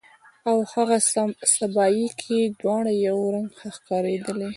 او هاغه سبایي کې دواړه یو رنګ ښکاریدلې